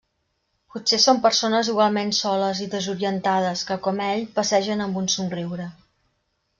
Potser són persones igualment soles i desorientades que, com ell, passegen amb un somriure.